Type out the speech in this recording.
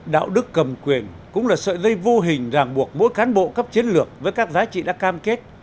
đạo đức cầm quyền cũng là sợi dây vô hình ràng buộc mỗi cán bộ cấp chiến lược với các giá trị đã cam kết